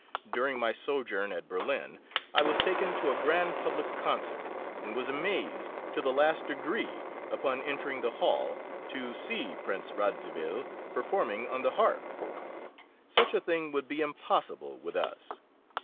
During my sojourn at Berlin I was taken to a grand public concert, and was amazed to the last degree, upon entering the hall, to see Prince Radziwill performing on the harp! Such a thing would be impossible with us.